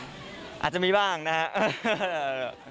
อาจจะมีบ้างนะครับ